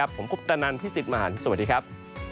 ผมคุปตะนันพี่สิทธิ์มหันฯสวัสดีครับ